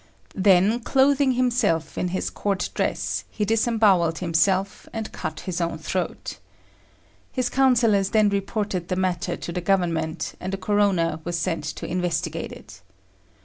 Then, clothing himself in his court dress, he disembowelled himself, and cut his own throat. His councillors then reported the matter to the Government, and a coroner was sent to investigate it.